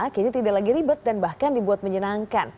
kini tidak lagi ribet dan bahkan dibuat menyenangkan